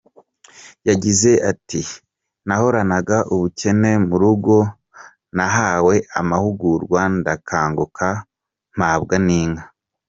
Yagize ati “Nahoranaga ubukene mu rugo, nahawe amahugurwa ndakanguka, mpabwa n’inka.